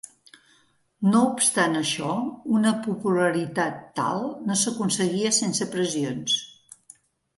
No obstant això, una popularitat tal no s'aconseguia sense pressions.